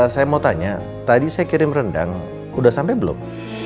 saya mau tanya tadi saya kirim rendang sudah sampai belum